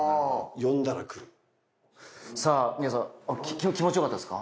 さぁ皆さん気持ちよかったですか？